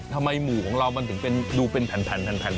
ทำไมหมูของเรามันถึงดูเป็นแผ่นแบบนี้ครับ